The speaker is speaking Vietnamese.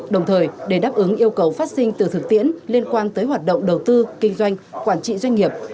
đồng thời để đáp ứng yêu cầu phát sinh từ thực tiễn liên quan tới hoạt động đầu tư kinh doanh quản trị doanh nghiệp